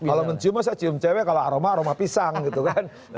kalau mencium saya cium cewe kalau aroma aroma pisang gitu kan